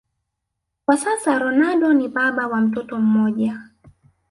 Kwa sasa Ronaldo ni baba wa mtoto mmoja